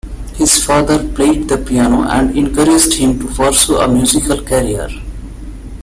His father played the piano, and encouraged him to pursue a musical career.